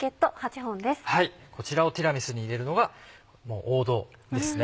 こちらをティラミスに入れるのがもう王道ですね。